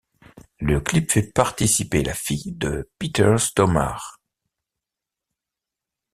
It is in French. Le clip fait participer la fille de Peter Stormare.